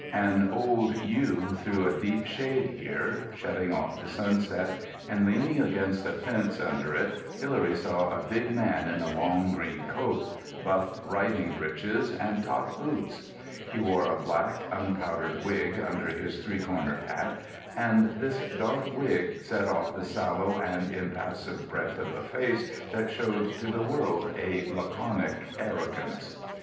An old yew threw a deep shade here, shutting off the sunset, and, leaning against the fence under it, Hilary saw a big man in a long green coat, buff riding breeches and top boots. He wore a black, unpowdered wig under his three cornered hat, and this dark wig set off the sallow and impassive breadth of a face that showed to the world a laconic arrogance.